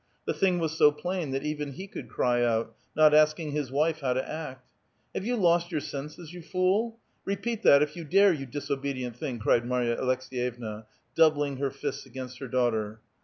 The thiug was so i)laiu that even he could cry out, not asking his wife how to act. "Have you lost your senses, you fool? Repeat that if you dare, you disobedient thing !cried Marya Aleks^yevna, doubling lier fists against her daughter.